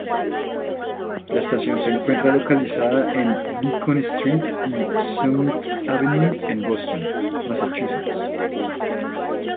La estación se encuentra localizada en Beacon Street y Summit Avenue en Boston, Massachusetts.